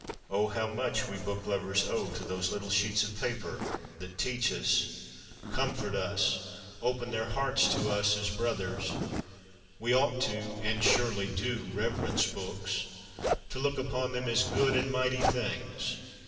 Oh ! how much we book lovers owe to ' those little sheets of paper that teach us, comfort us, open their hearts to us as brothers. ... We ought to 137 K I38 CONFESSIONS OF A BOOK LOVER (and surely do) reverence books, to look upon them as good and mighty things.